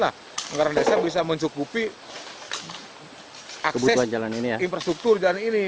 anggaran desa bisa mencukupi akses infrastruktur jalan ini